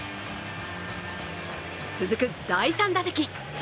続く第３打席。